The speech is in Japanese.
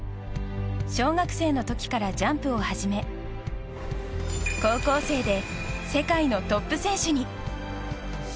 小学生の時からジャンプを始め高校生で世界のトップ選手に。